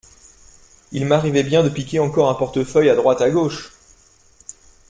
Il m’arrivait bien de piquer encore un portefeuille à droite à gauche